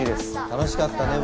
楽しかったね